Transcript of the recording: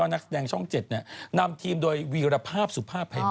นักแสดงช่อง๗เนี่ยนำทีมโดยวีรภาพสุภาพภายมนต์